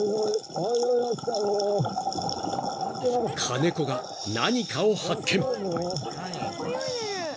［金子が何かを発見］